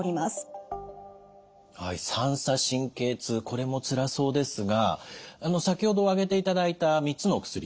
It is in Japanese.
これもつらそうですが先ほど挙げていただいた３つのお薬